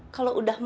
kalau udah mama